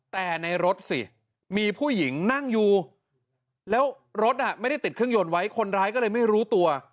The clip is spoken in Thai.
แต่ในรถสิมีผู้หญิงนั่งอยู่แล้วรถไม่ได้ติดเครื่องยนต์ไว้คนร้ายก็เลยไม่รู้ตัว